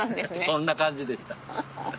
そんな感じでした。